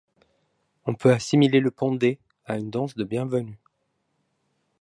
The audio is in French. On peut assimiler le pendet à une danse de bienvenue.